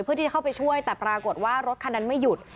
เพื่อที่จะเข้าไปช่วยแต่ปรากฏว่ารถคันนั้นไม่หยุด